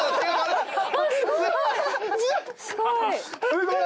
すごい！